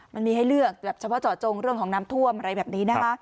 มันมีให้เลือกแบบเฉพาะเจาะจงเรื่องของน้ำท่วมอะไรแบบนี้นะคะ